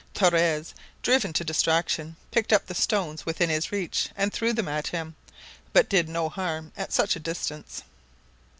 Torres, driven to distraction, picked up the stones within his reach, and threw them at him, but did no harm at such a distance.